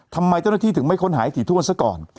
ทำไมเจ้าหน้าที่ถึงไม่ค้นหาให้ถี่ถ้วนซะก่อน